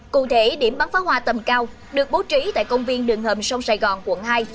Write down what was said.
cụ thể điểm bắn phá hoa tầm cao được bố trí tại công viên đường hầm sông sài gòn quận hai